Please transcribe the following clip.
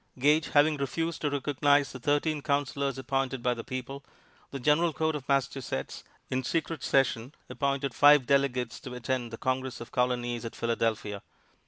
Gage having refused to recognize the thirteen Counselors appointed by the people, the General Court of Massachusetts, in secret session, appointed five delegates to attend the Congress of Colonies at Philadelphia.